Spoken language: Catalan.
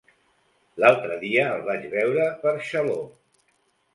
L'altre dia el vaig veure per Xaló.